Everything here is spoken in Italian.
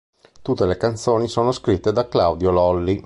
Tutte le canzoni sono scritte da Claudio Lolli.